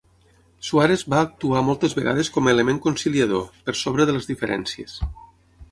Suárez va actuar moltes vegades com a element conciliador, per sobre de les diferències.